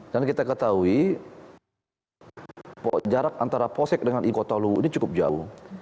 dan kita ketahui jarak antara posek dengan ibu kota luwu ini cukup jauh